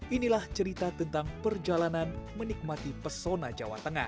inilah cerita tentang perjalanan menikmati pesona jawa tengah